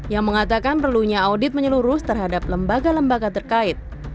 yang mengatakan perlunya audit menyeluruh terhadap lembaga lembaga terkait